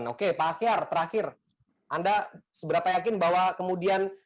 oke pak akyar terakhir anda seberapa yakin bahwa kemudian